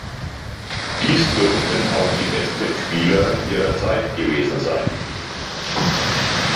Dies dürften auch die besten Spieler ihrer Zeit gewesen sein.